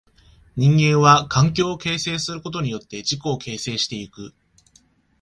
人間は環境を形成することによって自己を形成してゆく。